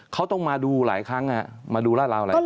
เขาต้องมาดูหลายครั้งมาดูราดราวหลายครั้ง